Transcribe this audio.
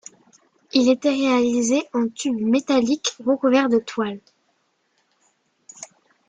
Il était réalisé en tubes métalliques recouverts de toile.